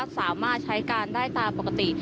สามารถได้การซื้อตามปกติ